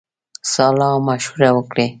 سالامشوره وکړي.